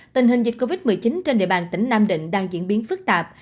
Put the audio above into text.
tình hình dịch covid một mươi chín trên địa bàn tỉnh nam định đang diễn biến phức tạp